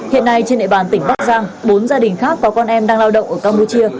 hiện nay trên địa bàn tỉnh bắc giang bốn gia đình khác có con em đang lao động ở campuchia